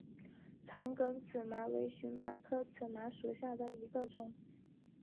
长梗紫麻为荨麻科紫麻属下的一个种。